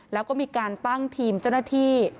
แล้วก็มีการตั้งทีมเจ้าหน้าที่